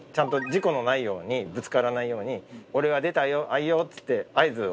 事故のないようにぶつからないように「俺は出たよ」「あいよ」っつって合図を。